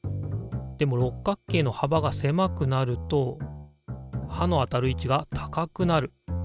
でも六角形のはばがせまくなるとはの当たる位置が高くなる。